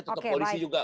tetap polisi juga